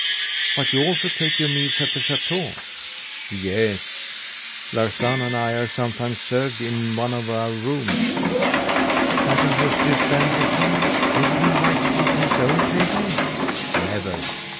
"But you also take your meals at the chateau?" "Yes, Larsan and I are sometimes served in one of our rooms." "Hasn't Monsieur Stangerson ever invited you to his own table?" "Never."